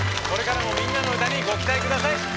これからも「みんなのうた」にご期待下さい。